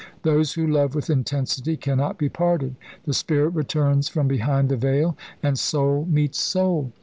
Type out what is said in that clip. Those who love with intensity cannot be parted. The spirit returns from behind the veil, and soul meets soul.